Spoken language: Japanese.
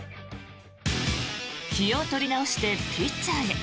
気を取り直してピッチャーへ。